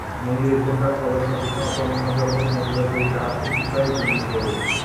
মন্দিরের ভিতরকার অলস অচেতন অকর্মণ্য জড়প্রতিমাগুলির প্রতি তাঁহার অতিশয় ঘৃণার উদয় হইল।